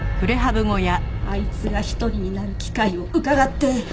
あいつが一人になる機会をうかがって。